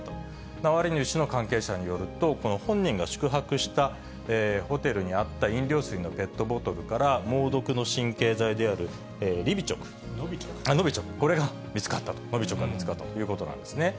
ナワリヌイ氏の関係者によると、この本人が宿泊したホテルにあった飲料水のペットボトルから猛毒の神経剤であるノビチョク、これが見つかったと、ノビチョクが見つかったということなんですね。